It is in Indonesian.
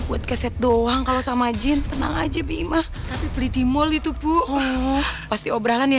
buat keset doang kalau sama jin tenang aja bima tapi beli di mall itu bu pasti obralan ya